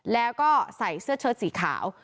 แล้วก็ใส่เสื้อเชิดสีขาว